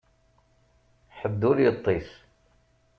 Ḥedd ur yeṭṭis.